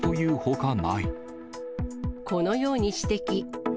このように指摘。